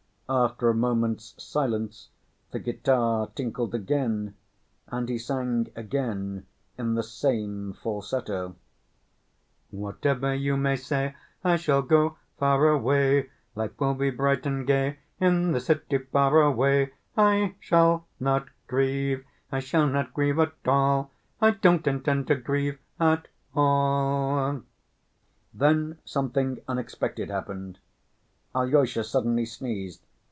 After a moment's silence the guitar tinkled again, and he sang again in the same falsetto: Whatever you may say, I shall go far away. Life will be bright and gay In the city far away. I shall not grieve, I shall not grieve at all, I don't intend to grieve at all. Then something unexpected happened. Alyosha suddenly sneezed.